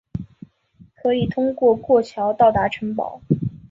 可以通过过桥到达城堡。